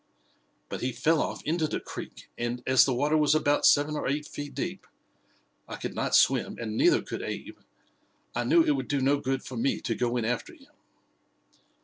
But he fell off into the creek, and, as the water was about seven or eight feet deep (I could not swim, and neither could Abe), I knew it would do no good for me to go in after him.